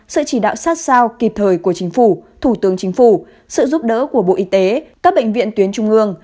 sự chỉ đạo sát sao kịp thời của chính phủ thủ tướng chính phủ sự giúp đỡ của bộ y tế các bệnh viện tuyến trung ương